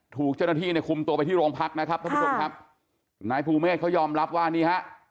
ถูกเจ้าหน้าที่เนี่ยคุมตัวไปที่โรงพักนะครับท่านผู้ชมครับนายภูเมฆเขายอมรับว่านี่ฮะ